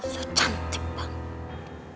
suh cantik bang